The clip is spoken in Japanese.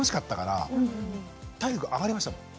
体力上がりましたもん。